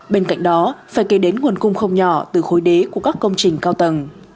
bên cạnh đó phải kể đến nguồn cung không nhỏ từ khối đế của các công trình cao tầng